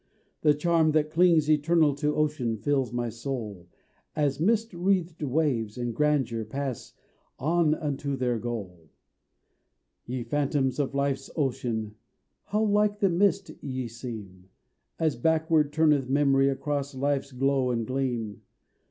The charm that clings eternal to ocean fills my soul, As mist wreathed waves in grandeur pass on unto their goal! Ye phantoms on Life's ocean! how like the mist ye seem, As backward turneth memory across Life's glow and gleam!